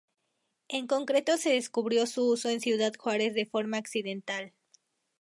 En concreto se descubrió su uso en Ciudad Juárez de forma accidental.